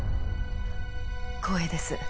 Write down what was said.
光栄です。